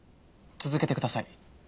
続けてください。